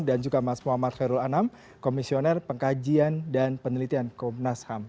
dan juga mas muhammad fairool anam komisioner pengkajian dan penelitian komnas ham